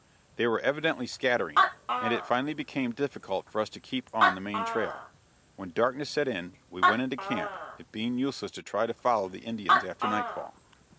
They were evidently scattering, and it finally became difficult for us to keep on the main trail. When darkness set in, we went into camp, it being useless to try to follow the Indians after nightfall.